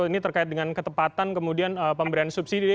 ini terkait dengan ketepatan kemudian pemberian subsidi